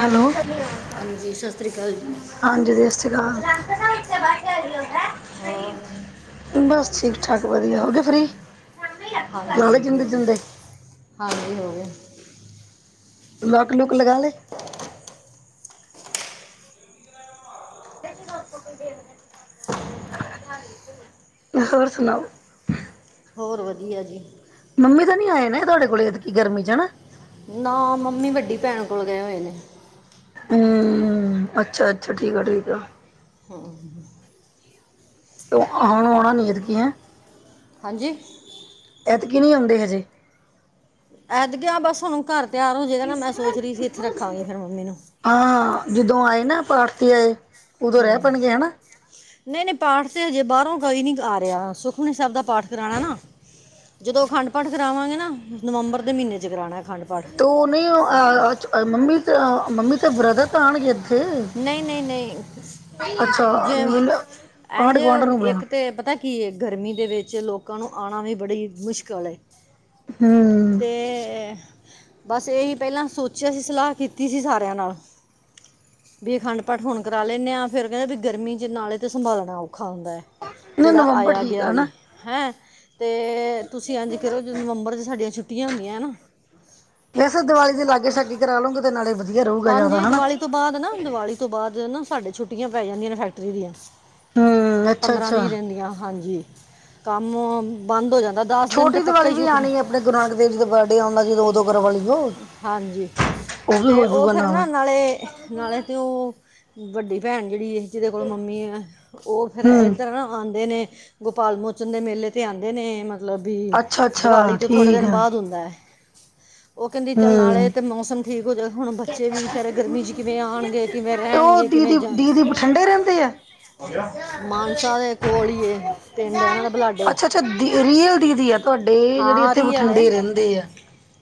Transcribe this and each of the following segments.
Hello ਹਾਂਜੀ ਸਤਿ ਸ੍ਰੀ ਅਕਾਲ ਜੀ। ਹਾਂਜੀ ਸਤਿ ਸ਼੍ਰੀ ਅਕਾਲ ਹੋਰ। ਬਸ ਠੀਕ ਠਾਕ ਵਧੀਆ ਹੋ ਗਏ ਫ੍ਰੀ ਹਾਂਜੀ ਲਾਲੇ ਹਾਂਜੀ ਜਿੰਦੇ ਹੋ ਗਏ ਜਿੰਦੇ ਹਾਂਜੀ ਹੋ ਗਿਆ ਲੋਕ ਲੂਕ ਲਗਾ ਲਏ। ਹ। [unintelligible] ਹੋਰ ਸੁਣਾਓ ਹੋਰ ਵਧੀਆ ਜੀ। ਮੰਮੀ ਤਾਂ ਨੀ ਆਏ ਨੇ ਤੁਹਾਡੇ ਕੋਲ ਐਦਕੀ ਗਰਮੀ ਚ ਹਨਾ ਨਾ ਮੰਮੀ ਵੱਡੀ ਭੈਣ ਕੋਲ ਗਏ ਹੋਏ ਨੇ। ਹਮ ਅੱਛਾ ਅੱਛਾ ਠੀਕ ਆ ਠੀਕ ਆ ਹਾਂ ਹੁਣ ਆਉਣਾ ਨੀ ਐਦਕੀ ਹੈ ਹਾਂਜੀ ਐਦਕੀ ਨਹੀਂ ਆਉਂਦੇ ਹਜੇ। ਐਦ ਗਿਆ ਬਸ ਹੁਣ ਘਰ ਤਿਆਰ ਹੋ ਜਾਏਗਾ ਨਾ ਮੈਂ ਸੋਚ ਰਹੀ ਸੀ ਇੱਥੇ ਰੱਖਾਂਗੀ ਫਿਰ ਮੰਮੀ ਨੂੰ ਹਾਂ, ਜਦੋਂ ਆਏ ਨਾ ਆਪਾਂ ਆੜਤੀਏ। ਹਮ ਨਹੀਂ- ਨਹੀਂ ਪਾਠ ਤੇ ਹਜੇ ਬਾਹਰੋਂ ਕੋਈ ਨੀ ਆ ਰਿਹਾ, ਸੁਖਮਨੀ ਸਾਹਿਬ ਦਾ ਪਾਠ ਕਰਾਉਣਾ ਨਾ। ਜਦੋਂ ਅਖੰਡ ਪਾਠ ਕਰਾਵਾਂਗੇ ਨਾ, ਨਵੰਬਰ ਦੇ ਮਹੀਨੇ 'ਚ ਕਰਾਉਣਾ ਅਖੰਡ ਪਾਠ। ਤ ਉਹ ਨਹੀਂ ਮੰਮੀ, ਮੰਮੀ ਤੇ ਬ੍ਰਦਰ ਤਾਂ ਆਉਣਗੇ ਇੱਥੇ ਨਹੀਂ- ਨਹੀਂ ਅੱਛਾ -ਨਹੀਂ ਜ ਆਂਢ ਐਂਝੇ ਗੁਆਂਢ ਨੂੰ ਬੁਲਾਣਾ ਇੱਕ ਤਾਂ ਪਤਾ ਕੀ ਗਰਮੀ ਦੇ ਵਿੱਚ ਲੋਕਾਂ ਨੂੰ ਆਉਣਾ ਵੀ ਬੜੀ ਮੁਸ਼ਕਿਲ ਹਮ। ਤੇ, ਬਸ ਇਹੀ ਪਹਿਲਾਂ ਸੋਚਿਆ ਸੀ ਸਲਾਹ ਕੀਤੀ ਸੀ ਸਾਰਿਆਂ ਨਾਲੋਂ। ਵੀ ਅਖੰਡਪਾਠ ਹੁਣ ਕਰਵਾ ਲੈਂਦੇ ਹਾਂ ਫਿਰ ਕਹਿੰਦੇ ਵੀ ਗਰਮੀ 'ਚ ' ਨਾਲੇ ਤਾਂ ਸੰਭਾਲਣਾ ਔਖਾ ਹੁੰਦਾ ਹੈ ਨਹੀਂ ਜਿਹੜਾ ਨਵੰਬਰ ਆਇਆ ਠੀਕ ਗਿਆ ਆ ਵੀ, ਹਨਾ ਹੈਂ ਤੇ ਤੁਸੀਂ ਇੰਝ ਕਰੋ ਜਦੋ ਨਵੰਬਰ 'ਚ ਸਾਡੀਆਂ ਛੁੱਟੀਆਂ ਹੁੰਦੀਆਂ ਹੈ ਨਾ ਇਸੇ ਦੀਵਾਲੀ ਦੇ ਲਾਗੇ ਛਾਂਗੇ ਕਰਾ ਲਊਗੇ ਤੇ ਨਾਲੇ ਵਧੀਆ ਰਹੂਗਾ ਜ਼ਿਆਦਾ, ਹਨਾ ਇਹ ਤੋਂ ਬਾਅਦ ਨਾ ਦੀਵਾਲੀ ਤੋਂ ਬਾਅਦ ਨਾ ਸਾਡੇ ਛੁੱਟੀਆਂ ਪੈ ਜਾਂਦੀਆਂ ਨੇ ਫੈਕਟਰੀ ਦੀਆਂ। ਹੂੰ ਅੱਛਾ ਪੰਦਰਾਂ- ਅੱਛਾ ਵੀਹ ਦਿਨ ਦੀਆਂ ਹਾਂਜੀ, ਕੰਮ ਬੰਦ ਹੋ ਜਾਂਦਾ। ਦਸ ਦਿਨ ਤੇ ਪੱਕਾ ਹੀ ਛੁੱਟੀਆਂ। ਗੁਰ ਨਾਨਕ ਦੇਵ ਜੀ, ਦਾ ਬਰਡੇ ਆਉਣ ਲੱਗ ਜਾਂਦਾ ਉਦੋਂ ਗਗਰ ਵੂ [unintelligible] ਹਾਂਜੀ, ਤੇ ਉਹ ਫਿਰ ਨਾਲ ਨਾ ਨਾਲੇ ਨਾਲੇ ਤੇ ਉਹ, ਵੱਡੀ ਭੈਣ ਜਿਹੜੀ ਜਿਹਦੇ ਕੋਲ ਮੰਮੀ ਆ, ਉਹ ਫਿਰ ਹੂੰ ਇੱਧਰ ਨਾ ਆਉਂਦੇ ਨੇ ਗੋਪਾਲ ਮੋਚਨ ਦੇ ਮੇਲੇ 'ਤੇ ਆਉਂਦੇ ਨੇ ਮਤਲਬ ਵੀ, ਅੱਛਾ ਅੱਛਾ ਦਿਵਾਲੀ ਤੋਂ ਥੋੜ੍ਹੇ ਠੀਕ ਦਿਨ ਆ ਬਾਅਦ ਹੁੰਦਾ ਹੈ। ਉਹ ਕਹਿੰਦੀ ਚੱਲ ਨਾਲੇ ਹੂੰ ਤਾਂ ਮੌਸਮ ਠੀਕ ਹੋ ਜਾਵੇ, ਹੁਣ ਬੱਚੇ ਵੀ ਵਿਚਾਰੇ ਗਰਮੀ 'ਚ ਕਿਵੇਂ ਆਉਣਗੇ। ਉਹ ਦੀ- ਦੀ- ਦੀ -ਦੀ ਠੰਡੇ ਰਹਿੰਦੇ ਆ। ਮਾਨਸਾ ਦੇ ਕੋਲ ਹੀ ਇਹ ਪਿੰਡ ਹੈ ਇਹਨਾਂ ਦਾ ਬਲਾਡੇ ਅੱਛਾ -ਅੱਛਾ ਰੀਅਲ ਦੀਦੀ ਐ ਤੁਹਾਡੇ ਜਿਹੜੇ ਹਾਂ ਇੱਥੇ ਰੀਅਲ ਹੈ ਬਠਿੰਡੇ ਰਹਿੰਦੇ ਆ।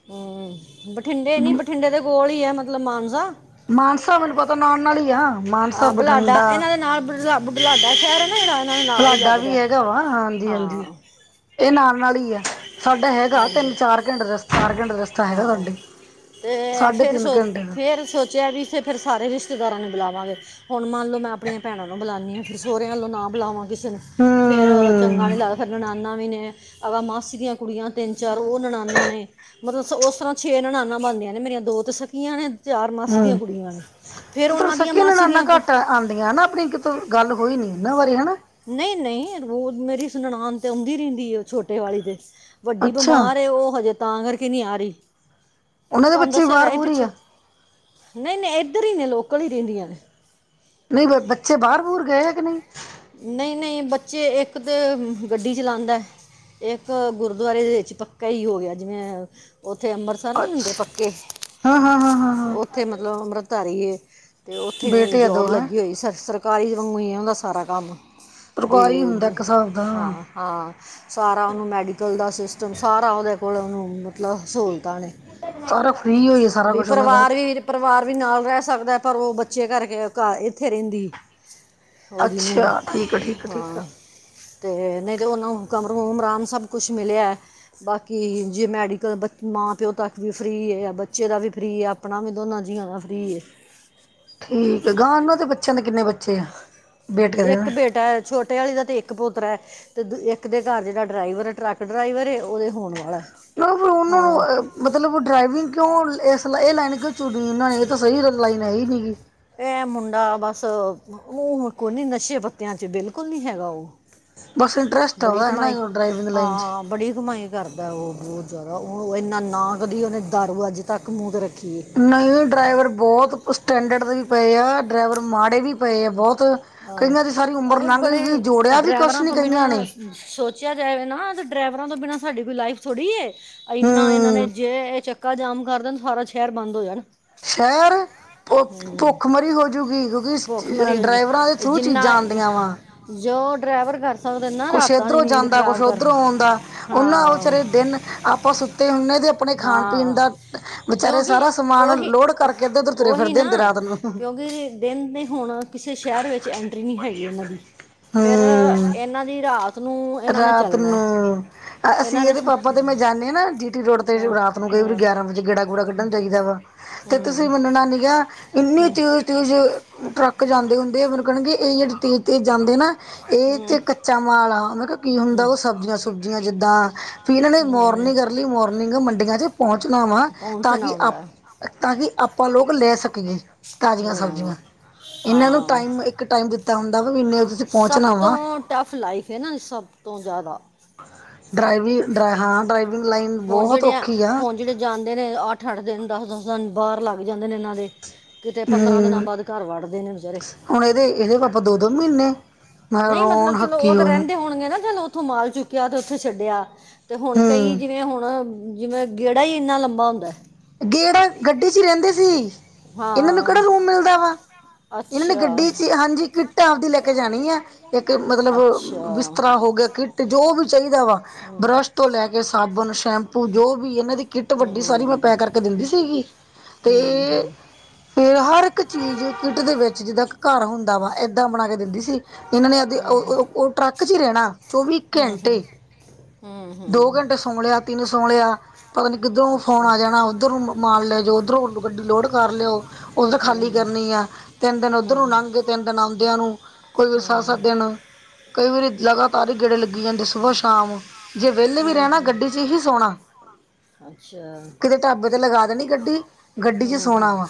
ਹਮ ਬਠਿੰਡੇ ਨੀ ਬਠਿੰਡੇ ਦੇ ਕੋਲ ਹੀ ਹੈ ਮਤਲਬ ਮਾਨਸਾ। ਮਾਨਸਾ ਮੈਨੂੰ ਪਤਾ ਨਾਲ -ਨਾਲ ਹੀ ਆ, ਮਾਨਸਾ, ਹਾਂ ਬੁਢਲਾਡਾ ਬਠਿੰਡਾ ਇਹਨਾਂ ਦੇ ਨਾਲ [unintelligible] ਸ਼ਹਿਰ ਹੈ ਨਾ ਜਿਹੜਾ ਇਹਨਾਂ ਦੇ ਨਾਲ ਹੀ ਬੁਢਲਾਡਾ ਲੱਗਦਾ ਵੀ ਹੈ। ਹੈਗਾ ਵਾ, ਹਾਂਜੀ -ਹਾਂਜੀ ਹਾਂ ਇਹ ਨਾਲ -ਨਾਲ ਹੀ ਆ ਸਾਡਾ ਹੈਗਾ ਤਿੰਨ ਹਾਂਜੀ -ਚਾਰ ਘੰਟੇ ਰਸਤਾ, ਚਾਰ ਘੰਟੇ ਦਾ ਰਸਤਾ ਹੈਗਾ ਹਾਂ ਸਾਡੇ ਤੇ ਸਾਢੇ ਫੇਰ ਤਿੰਨ ਸੋਚ, ਘੰਟੇ ਦਾ ਫਿਰ ਸੋਚ ਬੱਚੇ ਵੀ ਤੇ ਫੇਰ ਸਾਰੇ ਰਿਸ਼ਤੇਦਾਰਾਂ ਨੂੰ ਬੁਲਾਵਾਂਗੇ, ਹੁਣ ਮੰਨ ਲਓ ਮੈਂ ਆਪਣੀਆਂ ਭੈਣਾਂ ਨੂੰ ਬੁਲਾਉਂਦੀ ਹਾਂ। ਫਿਰ ਸਹੁਰਿਆਂ ਵੱਲੋਂ ਨਾ ਬੁਲਾਵਾਂ ਕਿਸੇ ਨੂੰ, ਫਿਰ ਚੰਗਾ ਹਮ ਨਹੀਂ ਲੱਗਦਾ, ਫਿਰ ਨਨਾਣਾ ਵੀ ਨੇ, ਅਗੇ ਮਾਸ ਦੀਆਂ ਕੁੜੀਆਂ ਤਿੰਨ -ਚਾਰ, ਉਹ ਨਨਾਣਾ ਨੇ, ਮਤਲਬ ਉਸ ਤਰ੍ਹਾਂ। ਛੇ ਨਨਾਣਾਂ ਬਣਦੀਆਂ ਨੇ ਮੇਰੀਆਂ ਦੋ ਤੇ ਸਕੀਆਂ ਨੇ, ਚਾਰ ਮਾਸੀ ਦੀਆਂ ਹਮ ਕੁੜੀਆਂ ਨੇ, ਫਿਰ ਤੁਹਾਡੇ ਉਹਨਾਂ ਦੀਆਂ ਸਕੀ ਮਾਸੀ ਨਨਾਨਾ ਦੀਆਂ ਕੁ ਘੱਟ ਆਉਂਦੀਆਂ ਹਨਾ, ਆਪਣੀ ਕਿਤੋਂ ਗੱਲ ਹੋਈ ਨੀ ਇਹਨਾਂ ਬਾਰੇ ਹਨਾ ਨਹੀਂ- ਨਹੀਂ ਓ ਮੇਰੀ ਨਨਾਣ ਤੇ ਆਉਂਦੀ ਰਹਿੰਦੀ, ਉਹ ਛੋਟੇ ਵਾਲੀ ਦੇ ਵੱਡੀ ਅੱਛਾ ਬਿਮਾਰ, ਉਹ ਹਜੇ ਤਾਂ ਕਰਕੇ ਨਹੀਂ ਆ ਰਹੀ। ਉਹਨਾਂ ਦੇ ਤੁਹਾਨੂੰ ਬੱਚੇ ਵੀ ਦੱਸਿਆ ਬਾਹਰ ਹੈਗਾ ਸੀ ਬੂਰ ਹੀ ਪਿੱਛੇ, ਆ ਨਹੀਂ -ਨਹੀਂ ਇੱਧਰ ਹੀ ਨੇ ਲੋਕਲ ਹੀ ਰਹਿੰਦੀਆਂ ਨੇ। ਨਹੀਂ ਬ ਬੱਚੇ ਬਾਹਰ -ਬਾਹਰ ਗਏ ਹੈ ਕਿ ਨਹੀਂ। ਨਹੀਂ -ਨਹੀਂ ਬੱਚੇ ਇੱਕ ਤਾਂ ਗੱਡੀ ਚਲਾਉਂਦਾ। ਇੱਕ ਗੁਰਦੁਆਰੇ ਦੇ ਵਿੱਚ ਪੱਕਾ ਹੀ ਹੋ ਗਿਆ, ਜਿਵੇਂ ਉੱਥੇ ਅੰਮ੍ਰਿਤਸਰ ਸਬ ਨੀ ਹੁੰਦੇ ਅੱਛਾ ਪੱਕੇ ਹਾਂ ਹਾਂ ਹਾਂ ਹਾਂ ਹਾਂ ਉੱਥੇ ਮਤਲਬ ਅੰਮ੍ਰਿਤਧਾਰੀ ਏ, ਤੇ ਉੱਥੇ ਬੇਟੇ ਆ ਦੋ ਜੋਬ ਹੈਂ ਲੱਗੀ ਹੋਈ, ਸਰ ਸਰਕਾਰੀ ਵਾਂਗੂ ਹੁੰਦਾ ਓਹਨਾ ਦਾ ਸਾਰਾ ਕੰਮ, ਸਰਕਾਰੀ ਹੁੰਦਾ ਵੀ ਇੱਕ ਹਿਸਾਬ ਦਾ ਹਾਂ। ਹਾਂ, ਸਾਰਾ ਉਹਨੂੰ ਮੈਡੀਕਲ ਦਾ ਸਿਸਟਮ ਸਾਰਾ ਉਹਦੇ ਕੋਲ ਉਹਨੂੰ ਮਤਲਬ ਸਹੂਲਤਾਂ ਸਾਰਾ ਫ੍ਰਰੀ ਹੋਈ ਸਾਰਾ ਵੀ ਕੁਛ ਉਹਨਾਂ ਦਾ ਪਰਿਵਾਰ ਵੀ ਪਰਿਵਾਰ ਵੀ ਨਾਲ ਰਹਿ ਸਕਦਾ, ਪਰ ਓ ਬੱਚੇ ਕਰਕੇ ਘ ਇੱਥੇ ਰਹਿੰਦੀ। ਉਹਦੀ ਅੱਛਾ ਠੀਕ ਆ ਠੀਕ ਆ ਠੀਕ ਆ ਹਾਂ। ਅਤੇ ਨਹੀਂ ਤਾਂ ਓ ਨੂੰ ਕਮਰੂ ਉਮਰਾਮ ਸਭ ਕੁਛ ਮਿਲਿਆ। ਬਾਕੀ ਜੇ ਮੈਡੀਕਲ, ਮਾਂ ਪਿਓ ਤੱਕ ਵੀ ਫ੍ਰੀ ਹੈ ਆ ਬੱਚੇ ਦਾ ਵੀ ਫ੍ਰੀ ਆ ਆਪਣਾ ਵੀ ਦੋਨਾ ਜੀਆ ਦਾ ਫਰੀ ਏ। ਠੀਕ ਆ, ਗਾਂ ਉਹਨਾਂ ਦੇ ਬੱਚਿਆਂ ਦੇ ਕਿੰਨੇ ਬੱਚੇ ਆ। ਬੇਟੇ ਦੇ ਨਾ। ਇੱਕ ਬੇਟਾ, ਛੋਟੇ ਵਾਲੀ ਦਾ ਤੇ ਇੱਕ ਪੋਤਰਾ ਹੈ। ਅਤੇ ਦ ਇੱਕ ਦੇ ਘਰ, ਜਿਹੜਾ ਡਰਾਈਵਰ ਟਰੱਕ ਡਰਾਈਵਰ, ਉਦੇ ਹੋਣ ਵਾਲਾ ਉਹਨਾਂ ਐ ਨੂੰ ਮਤਲਬ ਡਰਾਈਵਿੰਗ ਕਿਉਂ? ਇਸ ਇਹ ਲਾਈਨ ਕਿਉਂ ਚੁਣੀ, ਇਹਨਾਂ ਨੇ ਇਹ ਤਾਂ ਸਹੀ ਲਾਈਨ ਹੈਈ ਨਹੀਂ ਗੀ। ਇਹ ਮੁੰਡਾ ਬਸ ਮੂੰਹ ਕੋਨੀ ਨਸ਼ੇ ਪੱਤਿਆਂ ਚ, ਬਿਲਕੁਲ ਨੀ ਹੈਗਾ ਉਹ ਬਸ ਇੰਟਰਸਟ ਆ, ਬੜੀ ਉਹਦਾ ਹੈ ਕਮਾਈ ਨਾ, ਡਰਾਈਵਿੰਗ ਲਾਈਨ ਚ ਹਾਂ ਬੜੀ ਕਮਾਈ ਕਰਦਾ। ਉਹ ਬਹੁਤ ਜ਼ਿਆਦਾ, ਉਹ ਇੰਨਾ ਨਾ ਕਦੀ ਉਹਨੇ ਦਾਰੂ ਅੱਜ ਤੱਕ ਮੂੰਹ ਤੇ ਰੱਖੀ। ਨਹੀਂ ਡਰਾਈਵਰ ਬਹੁਤ ਸਟੈਂਡਰਡ ਵੀ ਪਏ ਆ, ਡਰਾਈਵਰ ਮਾੜੇ ਵੀ ਪਏ ਆ ਬਹੁਤ। ਕਈਆਂ ਦੀ ਸਾਰੀ ਆਹ ਉਮਰ ਅਰੇ, ਲੰਘ ਬੜੇ ਗਈ ਜੋੜਿਆ ਵੀ ਕੁਛ ਡਰਾਈਵਰਾਂ ਨੀ ਤੋਂ ਕਈਆਂ ਨੇ ਬਿਨਾਂ ਸੋਚ ਸੋਚਿਆ ਜਾਵੇ ਨਾ ਤੇ ਡਰਾਈਵਰਾਂ ਤੋਂ ਬਿਨਾਂ ਸਾਡੀ ਕੋਈ ਲਾਈਫ ਥੋੜ੍ਹੀ ਐ, ਐਨਾ ਇਹਨਾਂ ਨੇ ਹੂੰ ਜੇ ਇਹ ਚ ਚੱਕਾ ਜਾਮ ਕਰ ਦੇਣ ਸਾਰਾ ਸ਼ਹਿਰ ਬੰਦ ਹੋ ਜਾਣ। ਸ਼ਹਿਰ ਹਮ, ਭੁੱਖਮਰੀ ਹੋਜੂਗੀ, ਕਿਉਂਕਿ ਭੁੱਖ ਮਰੀ ਹੋ ਡਰਾਈਵਰਾਂ ਦੇ ਜਾਂਦੀ ਥਰੂ ਚੀਜ਼ਾਂ ਜਿੰਨਾ ਆਂਦੀਆਂ ਵਾ। ਜੋ ਡਰਾਈਵਰ ਕਰ ਸਕਦੇ ਨਾ ਕੁਛ ਰਾਤਾਂ ਦੀ ਇੱਧਰੋਂ ਨੀਂਦ ਜਾਂਦਾ ਕੁੱਛ ਖਰਾਬ ਕਰ ਉੱਧਰੋਂ ਆਉਂਦਾ ਓਨਾਂ ਹਾਂ ਵਿਚਾਰੇ ਦਿਨ ਆਪਾਂ ਸੁੱਤੇ ਹੁਣੇ ਤੇ ਆਪਣੇ ਖਾਣ ਪੀਣ ਹਾਂ ਦਾ ਵਿਚਾਰੇ ਕਿਉਂਕਿ ਸਾਰਾ ਸਮਾਂਨ ਉਹੀ ਲੋਡ ਕਰਕੇ ਅੱਧਰ ਉਧਰ ਤੁਰੇ ਉਹੀ ਫਿਰਦੇ ਹੁੰਦੇ ਨਾ ਰਾਤ ਨੂੰ। ਕਿਉਂਕਿ ਦਿਨ ਦੇ ਹੁਣ ਕਿਸੇ ਸ਼ਹਿਰ ਵਿੱਚ ਐਂਟਰੀ ਨੀ ਹੈਗੀ ਇਹਨਾਂ ਦੀ ਫਿਰ ਹੂੰ ਇਹਨਾਂ ਦੀ ਰਾਤ ਨੂੰ ਇਹਨਾਂ ਨੇ ਰਾਤ ਚੱਲਣਾ ਨੂੰ ਹੈ। ਇਹਨਾਂ ਅਸੀਂ ਨੇ ਇਹਦੇ ਪਾਪਾ ਤੇ ਮੈਂ ਜਾਣਾਂ ਨੇ ਨਾ। ਰੋਡ ਤੇ ਹਾਂ ਰਾਤ ਨੂੰ ਕਈ ਵਾਰੀ ਹਾਂ ਗਿਆਰਾਂ ਵਜੇ ਗੇੜਾ ਗੂੜਾ ਕੱਢਣ ਜਾਈਦਾ ਵਾ ਤੇ ਤੁਸੀਂ ਹੂੰ ਮੰਨਣਾ ਨੀ ਗਾ। ਇੰਨੀ ਤੇਜ਼-ਤੇਜ਼ ਟਰੱਕ ਜਾਂਦੇ ਹੁੰਦੇ, ਨਾ ਮਤਲਬ ਇਹ ਕਹਿਣਗੇ ਇਹ ਜਿਹੜੇ ਤੇਜ਼-ਤੇਜ਼ ਜਾਂਦੇ ਨਾ। ਇਹ ਹੂੰ ਤੇ ਕੱਚਾ ਮਾਲ ਆ ਮੈ ਕਿਹਾ ਕੀ ਹੁੰਦਾ ਹੂੰ, ਉਹ ਸਬਜ਼ੀਆਂ ਸੁਬਜ਼ੀਆਂ ਜਿੱਦਾਂ ਵੀ ਇਹਨਾਂ ਨੇ ਹੂੰ, ਮੋਰਨਿੰਗ ਅਰਲੀ ਮੋਰਨਿੰਗ ਮੰਡੀਆਂ ਚ ਪਹੁੰਚਣਾ ਵਾ, ਤਾਂ ਪਹੁੰਚਣਾ ਕਿ ਆਪ ਹੁੰਦਾ ਹੈ। ਤਾਂ ਕਿ ਆਪਾਂ ਲੋਕ ਲੈ ਸਕੀਏ, ਤਾਜ਼ੀਆਂ ਹਾਂ ਸਬਜ਼ੀਆਂ ਇਹਨਾਂ ਨੂੰ ਹਾਂ ਟਾਈਮ ਇੱਕ ਟਾਈਮ ਦਿੱਤਾ ਹੁੰਦਾ ਵਾ ਇੰਨੇ ਸਭ ਪਹੁੰਚਣਾ ਵਾ ਤੋਂ ਟਫ ਲਾਈਫ ਹੈ, ਨਾ ਸਭ ਤੋਂ ਜ਼ਿਆਦਾ। ਡਰਾਈਵਿੰਗ ਡਰਾ ਹਾਂ, ਡਰਾਈਵਿੰਗ ਲਾਈਨ ਹੁਣ ਬਹੁਤ ਜਿਹੜੇ ਔਖੀ ਆ। ਹੁਣ ਜਿਹੜੇ ਜਾਂਦੇ ਨੇ ਅੱਠ-ਅੱਠ ਦਿਨ ਦਸ-ਦਸ ਦਿਨ ਬਾਰ ਲੱਗ ਜਾਂਦੇ ਨੇ ਇਹਨਾਂ ਦੇ ਕਿਤੇ ਪੰਦਰਾਂ ਦਿਨਾਂ ਹਮ ਬਾਅਦ ਘਰਾਂ ਵੱੜਦੇ ਨੇ ਵੀਚਾਰੇ ਹੁਣ ਇਹਦੇ, ਇਹਦੇ ਪਾਪਾ ਦੋ-ਦੋ ਮਹੀਨੇ ਮੈਂ ਨਹੀਂ ਰੋਣ ਮਤਲਬ ਚਲੋ, ਓ ਹੱਕੀ ਤਾਂ ਹੋਏ ਰਹਿੰਦੇ ਹੋਣਗੇ ਨਾ ਚਲੋ। ਉੱਥੋਂ ਮਾਲ ਚੁੱਕਿਆ ਤੇ ਉੱਥੇ ਛੱਡਿਆ ਤੇ ਹੁਣ ਕਈ ਹਮ ਜਿਵੇਂ ਹੁਣ ਜਿਵੇਂ ਗੇੜਾ ਈ ਇੰਨਾ ਲੰਬਾ ਹੁੰਦਾ। ਗੇੜਾ ਗੱਡੀ ਚ ਈ ਰਹਿੰਦੇ ਸੀ। ਏਨਾਂ ਨੂੰ ਕਿਹੜਾ ਹਾਂ ਰੂਮ ਮਿਲਦਾ ਵਾ, ਏਨਾਂ ਨੇ ਅੱਛਾ ਗੱਡੀ ਚ, ਹਾਂਜੀ ਕਿਟ ਆਪਦੀ ਲੈ ਕੇ ਜਾਣੀ ਆ। ਇੱਕ ਮਤਲਬ ਅੱਛਾ ਬਿਸਤਰਾ ਹੋ ਗਿਆ। ਕਿੱਟ ਜੋ ਵੀ ਚਾਹੀਦਾ ਵਾ ਹਮ ਬੁਰੱਸ਼ ਤੋਂ ਲੈ ਕੇ ਸਾਬਣ ਸ਼ੈਂਪੂ ਜੋ ਵੀ ਇਹਨਾਂ ਦੀ ਕਿੱਟ ਵੱਡੀ ਸਾਰੀ ਮੈਂ ਹਮ ਪੈਕ ਕਰਕੇ ਦਿੰਦੀ ਸੀਗੀ ਹਮ ਤੇ ਫੇਰ ਹਰ ਇੱਕ ਚੀਜ਼ ਕਿੱਟ ਦੇ ਵਿੱਚ ਜਿੱਦਾਂ ਘਰ ਹੁੰਦਾ ਵਾ, ਏਦਾਂ ਬਣਾ ਕੇ ਦਿੰਦੀ ਸੀ। ਇਹਨਾਂ ਨੇ ਹਮ ਉਹ ਟਰੱਕ ਚ ਈ ਰਹਿਣਾ ਚੌਵੀ ਹਮ ਹਮ ਘੰਟੇ ਹਮ ਦੋ ਹਮ ਘੰਟੇ ਸੌ ਲਿਆ, ਤਿੰਨ ਸੌ ਲਿਆ। ਪਤਾ ਨੀ ਕਿੱਧਰੋਂ ਫੋਨ ਅੱਛਾ ਆ ਜਾਣਾ, ਉੱਧਰੋਂ ਮੰਨ ਲੈ ਜਾੳ ਉੱਧਰੋਂ ਗੱਡੀ ਲੋਡ ਕਰ ਲਿਆਓ। ਓਧਰ ਖਾਲੀ ਹਮ ਕਰਨੀ ਆ ਤਿੰਨ ਦਿਨ ਹਮ ਓਧਰ ਨੂੰ ਹਮ ਲੰਘ ਦਿਨ ਦਿਨਉਂਦਿਆਂ ਨੂੰ ਕੋਈ ਵੀ ਸੱਤ-ਸੱਤ ਦਿਨ ਕਈ ਵਾਰੀ ਲਗਾਤਾਰ ਈ ਗੇੜੇ ਲੱਗੀ ਜਾਂਦੇ, ਸੁਬਾਹ-ਸ਼ਾਮ ਜੇ ਵਿਹਲੇ ਵੀ ਰਹਿਣਾ ਹਮ ਗੱਡੀ ਚ ਹੀ ਸੋਣਾ, ਅੱਛਾ ਕਿਤੇ ਰੱਬ ਤੇ ਲਗਾ ਦੇਣੀ ਗੱਡੀ ਗੱਡੀ ਚ ਹਮ ਸੋਣਾ ਹਮ ਵਾ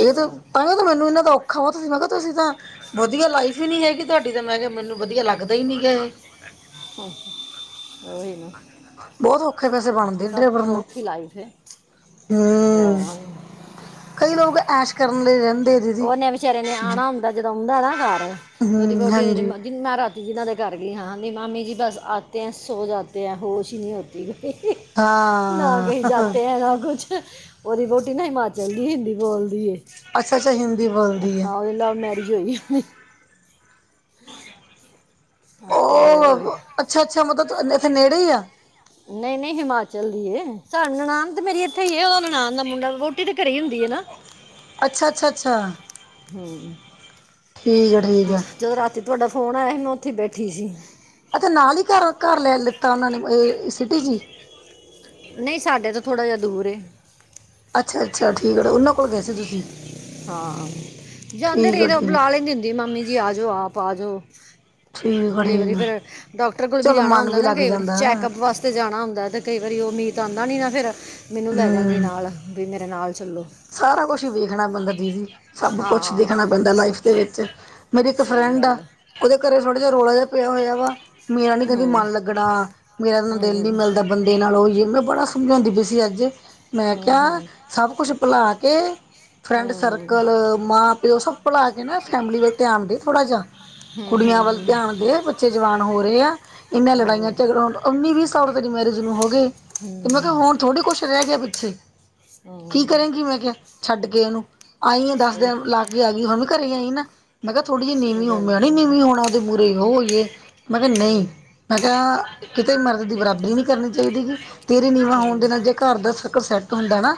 ਇਹ ਤਾਂ ਭਾਵੇਂ ਮੈਨੂੰ ਇਹਨਾ ਦਾ ਔਖਾ ਬਹੁਤ ਸੀ, ਮੈਂ ਕਿਹਾ ਤੁਸੀਂ ਤਾਂ ਵਧੀਆ ਲਾਈਫ ਹੀ ਨਹੀਂ ਹੈਗੀ ਤੁਹਾਡੀ ਤਾਂ ਮੈਂ ਕਿਹਾ ਮੈਨੂੰ ਵਧੀਆ ਲੱਗਦਾ ਹੀ ਨੀ ਹੈ ਇਹ ਹੂ ਹ [inaudible] ਬਹੁਤ ਔਖੇ ਪੈਸੇ ਬਣਦੇ ਡਰਾਈਵਰ ਤੋਂ ਨੂੰ, ਔਖੀ ਲਾਈਫ ਹੈ ਹੂੰ ਕਈ ਲੋਕ ਐਸ਼ ਕਰਨ ਲਈ ਰਹਦੇ। ਓਹਨੇ ਬੇਚਾਰੇ ਨੇ ਆਣਾ ਹੁੰਦਾਂ ਜਦੋਂ ਉੱਦਾਂ ਨਾ ਘਰਾਂ ਤੇਦੀ ਹੂੰ ਵੋਟੀ ਹਾਂਜੀ ਮੈਂ ਰਾਤੀ ਜੀ ਇਹਨਾਂ ਦੇ ਕਰ ਗਈ ਹਾਂ, ਕਹਿਦੀ ਮਾਮੀ ਜੀ ਬਸ ਆਤੇ ਹੈ ਸੋ ਜਾਤੇ ਹੈ ਹੋਸ਼ ਹੀ ਨਹੀਂ ਹੋਤੀ। ਠੀਕ ਨਾ ਹਾਂ ਕਹੀ ਜਾਤੇ ਹੈ ਨਾ ਕੁਛ ਉਹਦੀ ਵਹੁਟੀ ਨਾ ਹਿਮਾਚਲ ਦੀ ਹਿੰਦੀ ਬੋਲਦੀ ਹੈ। ਅਸ਼ ਸ਼ ਹਿੰਦੀ ਬੋਲਦੀ ਹੈ ਹਾਂ, ਔਦੀ ਲਵ ਮੈਰਿਜ ਹੋਈ। ਤੇ ਉਹ- ਅੱਛਾ-ਅੱਛਾ ਮਤਲਬ ਇੱਥੇ ਨੇੜੇ ਹੀ ਆ ਨਹੀਂ ਨਹੀਂ ਹਿਮਾਚਲ ਦੀ ਏ ਨਨਾਣ ਤਾਂ ਮੇਰੀ ਇੱਥੇ ਹੀ ਉਹਦਾ ਨਨਾਾਨ ਦਾ ਮੁੰਡਾ ਵੋਟੀ ਤੇ ਘਰੇ ਹੁੰਦੀ ਏ ਨਾ ਅੱਛਾ ਅੱਛਾ ਅੱਛਾ ਹੂੰ ਠੀਕ ਹੈ ਠੀਕ ਹੈ। ਜਦੋਂ ਜਦੋਂ ਰਾਤੀ ਤੁਹਾਡਾ ਫੋਨ ਆਇਆ ਸੀ ਮੈਂ ਉੱਥੇ ਬੈਠੀ ਸੀ। ਅੱਛਾ ਨਾਲ ਈ ਘਰ-ਘਰ ਲੈ ਲਿੱਤਾ ਓਨਾਂ ਨੇ ਸਿਟੀ ਚੀ ਨਈ ਸਾਡੇ ਤੋ ਥੋੜਾ ਜਿਹਾ ਦੂਰ ਏ ਅੱਛਾ-ਅੱਛਾ ਠੀਕ ਅ ਉਹਨਾਂ ਕੋਲ ਗਏ ਸੀ ਤੁਸੀਂ। ਹਾਂ, ਜਾਂਦੇ ਠੀਕ ਰਈ ਹੈ ਦਾ ਠੀਕ ਬੁਲਾ ਲੈਂਦੀ ਹੁੰਦੀ ਮਾਮੀ ਜੀ, ਆਜੋ ਆਪ ਆਜੋ। ਠੀਕ ਆ ਕਈ ਵਾਰੀ ਠੀਕ ਆ ਫੇਰ ਡਾਕਟਰ ਕੋਲ ਵੀ ਚਲੋ ਜਾਣਾ ਮਨ ਹੁੰਦਾ ਨਾ ਲੱਗ ਕਈ ਵਾਰੀ ਜਾਂਦਾ ਚੈੱਕਅਪ ਵਾਸ ਤੇ ਜਾਣਾ ਹੁੰਦਾ ਤੇ ਕਈ ਵਾਰੀ ਉ ਮੀਤ ਆਂਦਾ ਨੀ ਨਾ, ਫੇਰ ਮੈਨੂੰ ਲੈ ਜਾਂਦੀ ਹੂੰ ਨਾਲ ਵੀ ਮੇਰੇ ਨਾਲ ਚੱਲੋ। ਸਾਰਾ ਕੁਛ ਹੀ ਵੇਖਣਾ ਪੈਂਦਾ ਦੀਦੀ ਸਭ ਕੁਛ ਦੇਖਣਾ ਹਾਂ ਪੈਂਦਾ ਲਾਈਫ ਦੇ ਵਿੱਚ। ਮੇਰੀ ਇੱਕ ਸਹੀ ਫਰੈਂਡ ਆ ਗੱਲ ਹੈ। ਉਹਦੇ ਘਰੇ ਥੋੜਾ ਜਿਹਾ ਰੌਲਾ ਜਿਹਾ ਪਿਆ ਹੋਇਆ ਵਾ। ਮੇਰਾ ਨੀ ਕਹਿੰਦੀ ਹੂੰ ਮਨ ਲੱਗਣਾ ਮੇਰਾ ਨੂੰ ਹੂੰ ਦਿਲ ਨੀ ਹੂੰ ਮਿਲਦਾ। ਬੰਦੇ ਨਾਲ [unintelligible] ਹੋਇਏ ਮੈਂ ਬੜਾ ਸਮਝਾਉਂਦੀ ਪਈ ਸੀ ਅੱਜ ਮੈਂ ਹੂੰ ਕਿਆ ਹੂੰ ਸਭ ਕੁੱਛ ਬਣਾ ਕੇ ਫਰੈਂਡ ਹੂੰ ਸਰਕਲ ਮਾਂ-ਪਿਓ ਸਭ ਭਲਾ ਕੇ ਨਾ ਫੈਮਿਲੀ ਵੱਲ ਧਿਆਨ ਦੇ ਥੋੜਾ ਜਾ ਕੁੜੀਆਂ ਵੱਲ ਧਿਆਨ ਦੇ ਬੱਚੇ ਜਵਾਨ ਹੋ ਰੇ ਆ ਇਨਾਂ ਲੜਾਈਆਂ ਹੂੰ ਝਗੜਾ ਉੱਨੀ ਵੀਹ ਸਾਲ ਤੇਰੀ ਮੈਰਿਜ ਨੂੰ ਹੋ ਗੇ। ਤੇ ਮੈਂ ਕਿਆ ਹੁਣ ਥੋੜ੍ਹੀ ਕੁਛ ਰਹਿ ਗਿਆ ਪਿੱਛੇ ਕੀ ਹਾਂ। ਕਰੇਗੀ ਮੈਂ ਕਿਆ ਛੱਡ ਕੇ ਉਨੂੰ ਆਈ ਐਂ ਦੱਸ ਦਿਨ ਸਹੀ ਲਾ ਕੇ ਆ ਗਈ ਹੁਣ ਵੀ ਘਰੇ ਆਈ ਨਾ। ਮੈਂ ਕਿਆ ਥੋੜ੍ਹੀ ਜੀ ਨੀਂਵੀ ਸਹੀ ਹੋ ਗੱਲ ਮੈ ਨੀ ਨੀਵੀਂ ਹੋਣਾ ਓਦੇ ਮੂਰੇ ਓ ਹੋਈਏ ਮੈਂ ਕਿਆ ਹੂੰ ਨਈ। ਮੈਂ ਕਿਹਾ ਕਿਤੇ ਮਰਦ ਦੀ ਬਰਾਬਰੀ ਨਹੀਂ ਕਰਨੀ ਚਾਹੀਦੀ ਗ। ਤੇਰੇ ਨੀਵਾਂ ਹੋਣ ਦੇ ਹੂੰ ਨਾਲ ਜੇ ਘਰ ਦਾ ਸਰਕਲ ਸੈੱਟ ਹੁੰਦਾ ਨਾ।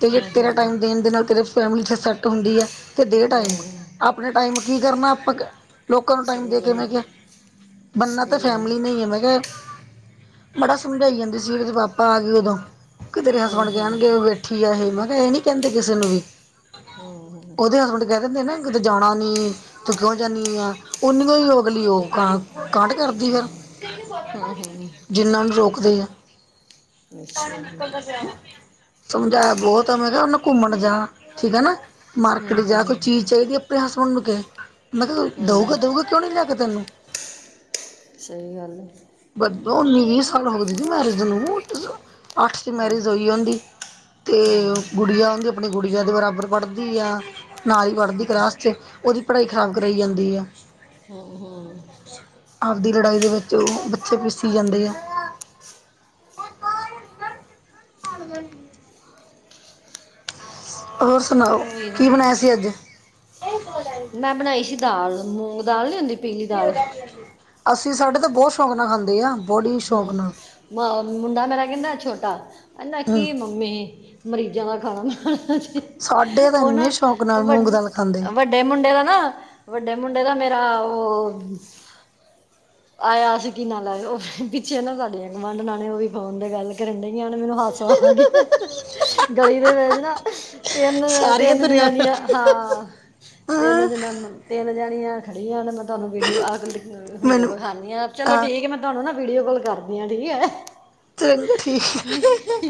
ਤੇ ਹੂੰ ਤੇਰਾ ਹੂੰ ਟਾਈਮ ਦੇਣ ਦੇ ਨਾਲ ਤੇ ਫੈਮਲੀ ਸੈੱਟ ਹੁੰਦੀ ਹੈ। 'ਤੇ ਦੇਣ ਹੂੰ ਟਾਈਮ ਆਪਣੇ ਟਾਈਮ ਕੀ ਕਰਨਾ ਆਪਾਂ ਕ ਲੋਕਾਂ ਨੂੰ ਟਾਈਮ ਸਹੀ ਦੇ ਗੱਲ ਕਿਵੇਂ ਗਿਆ। ਬੰਨਾ ਤਾਂ ਸਹੀ ਗੱਲ ਫੈਮਿਲੀ ਨਹੀਂ ਹੈ ਮੈਂ ਕਿਹਾ ਬੜਾ ਸਮਝਾਈ ਜਾਂਦੀ ਸੀ ਓਦੇ ਪਾਪਾ ਆ ਗੇ ਓਦੋਂ ਕਿ ਤੇਰੇ ਹੂੰ ਹਸਬੈਂਡ ਹੂੰ ਕੈਣਗੇ ਬੇੇ ਕੀ ਆ ਇਹ ਮੈਂ ਕਿਹਾ ਇਹ ਨੀ ਕਹਿੰਦੇ ਕਿਸੇ ਨੂੰ ਵੀ ਹੂੰ ਹੂੰ, ਉਹਦੇ ਹਸਬੈਂਡ ਕਹਿ ਦਿੰਦੇ ਨਾ। ਕਿਤੇ ਜਾਣਾ ਨੀ ਤੂੰ ਕਿਉਂ ਜਾਂਦੀ ਆ ਓਨੀ ਹੋਈ ਅਗਲੀ ਉਹ ਕਾਂਡ ਕਰਦੀ ਆ ਹੂੰ ਹੂੰ ਜਿੰਨਾਂ ਨੂੰ ਰੋਕਦੇ ਆ। ਕ ਅੱਛਾ ਨਿਕਲ ਦਾੱਸਣਾ। ਸਮਝਾਇਆ ਬਹੁਤ ਵੇੈਂ ਕਿਹਾ ਉਹਨੇ ਘੁੰਮਣ ਜਾਣਾ ਠੀਕ ਐਨਾ, ਹੂੰ ਮਾਰਕੀਟ ਹੂੰ ਜਾ ਹੂੰ, ਕੋਈ ਚੀਜ਼ ਚਾਈਦੀ ਹੈ। ਤੇਰੇ ਹਸਬੈਂਡ ਨੂੰ ਕਿਹ ਮੈਂ ਕਿਅ ਹੂੰ ਦਊਗਾ-ਦਊਗਾ ਕਿਉਂ ਨੀ ਲਿਆ ਕੇ ਤੈਨੂੰ। ਸਹੀ ਗੱਲ। ਬ ਉੱਨੀ ਵੀਹ ਸਾਲ ਹੋਗੇ। ਦੀਦੀ ਮੈਰਿਜ ਨੂੰ ਉਲਟ ਅੱਠ ਦੀ ਹਾਂ ਮੈਰਿਜ ਹੋਈ ਹੁੰਦੀ ਅਤੇ ਹਾਂ ਗੁੜੀਆ ਹੁੰਦੀ। ਅਪਣੀ ਗੁੜੀਆਂ ਦੇ ਬਰਾਬਰ ਪੜ੍ਹਦੀ ਆ ਨਾਲ ਈ ਪੜ੍ਹਦੀ ਕਲਾਸ 'ਚ ਓਦੀ ਪੜ੍ਹਾਈ ਖਰਾਬ ਕਰਈ ਜਾਂਦੀ ਐ। ਹ ਹਾਂ। ਆਪਦੀ ਲੜਾਈ ਦੇ ਵਿੱਚ ਉਹ ਬੱਚੇ ਪੀਸੀ ਜਾਂਦੇ ਆ। [unintelligible] ਹੋਰ ਸੁਣਾਓ ਓ ਈ ਨਾ ਕੀ ਬਣਾਇਆ ਸੀ ਅੱਜ ਮੈਂ ਬਣਾਈ ਸੀ ਦਾਲ ਮੂੰਗ ਦਾਲ ਨੀ ਹੁੰਦੀ। ਪੀਲੀ ਦਾਲ ਅਸੀਂ ਸਾਡੇ ਤਾਂ ਬਹੁਤ ਸ਼ੌਕ ਨਾਲ ਖਾਂਦੇ ਆ। ਬੜੀ ਸ਼ੌਕ ਹੂੰ ਨਾਲ ਮ ਮੁੰਡਾ ਮੇਰਾ ਕਹਿੰਦਾ ਛੋਟਾ ਕਹਿੰਦਾ ਹੂੰ ਕੀ ਮੰਮੀ। ਮਰੀਜ਼ਾਂ ਦਾ ਖਾਣਾ ਬਣਾਣਾ। ਸਾਡੇ ਤਾਂ ਇੰਨੇ ਸ਼ੌਕ ਨਾਲ ਮੂੰਗ ਦਾਲ ਖਾਂਦੇ। ਵੱਡ- ਵੱਡੇ ਮੁੰਡੇ ਦਾ ਨਾ, ਵੱਡੇ ਮੁੰਡੇ ਦਾ ਮੇਰਾ ਔ ਆਇਆ ਅਸੀ ਕਿੰਨਾ ਲਾਇਏ ਹੋ। ਪਿੱਛੇ ਨਾ ਸਾਡੀਆਂ ਗਮਾਂਢ ਨਾਲ ਨੇ ਉਹਦੀ ਫੋਨ ਤੇ ਗੱਲ ਕਰਨ ਡਗੀਆਂ ਮੈਨੂੰ ਹਾਦਸਾ ਆ ਗ ਗਲੀ ਦੇ ਵਿੱਚ ਨਾ ਤੇਨ ਸਾਰੀਆਂ ਤੇਨ ਦੁਨੀਆਂ ਜਨਾਨੀਆਂ ਫਿਰਦੀ ਹਾਂ ਤੇਨ ਜਨਾਨੀ ਮੰ ਤਿੰਨ ਜਾਣੀਆਂ ਖੜੀਆਂ ਮੈਂ ਤੁਹਾਨੂੰ ਵੀਡੀਓ ਆ ਕੇ ਹੁ ਮੈਨੂੰ ਵਿਖਾਉਂਦੀ ਹਾਂ ਚਲੋ ਠੀਕ ਮੈਂ ਤੁਹਾਨੂੰ ਨਾ ਵੀਡੀਓ ਕਾਲ ਕਰਦੀ ਆ ਠੀਕ ਏ। ਚੰਗਾ ਠੀਕ ਐ।